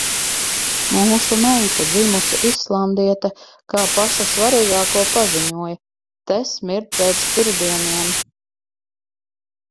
Mūsu meita, dzimusi islandiete, kā pašu svarīgāko paziņoja: te smird pēc pirdieniem.